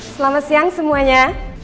selamat siang semuanya